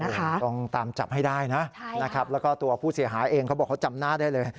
ต้องตามจับให้ได้นะนะครับแล้วก็ตัวผู้เสียหายเองเขาบอกเขาจำหน้าได้เลย